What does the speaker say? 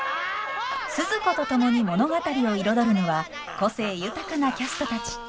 スズ子と共に物語を彩るのは個性豊かなキャストたち。